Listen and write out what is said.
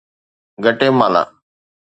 Guatemala